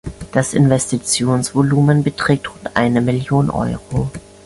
Das Investitionsvolumen beträgt rund eine Million Euro.